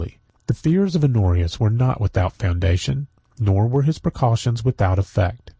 ] The fears of Honorius were not without foundation, nor were his precautions without effect.